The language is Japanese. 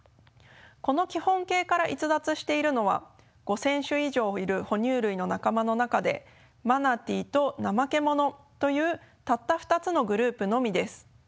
この基本形から逸脱しているのは５，０００種以上いる哺乳類の仲間の中でマナティーとナマケモノというたった２つのグループのみです。